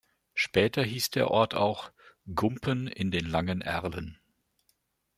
Später hieß der Ort auch "Gumpen in den langen Erlen".